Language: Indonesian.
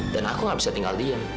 dan aku gak bisa tinggal diam